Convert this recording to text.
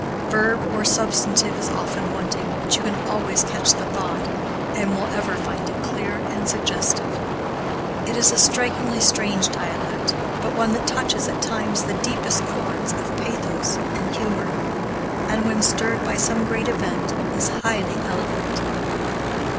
Verb or substantive is often wanting, but you can always catch the thought, and will ever find it clear and suggestive. It is a strikingly strange dialect, but one that touches, at times, the deepest chords of pathos and humor, and, when stirred by some great event, is highly eloquent.